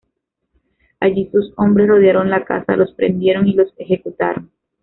Allí sus hombres rodearon la casa, los prendieron y los ejecutaron.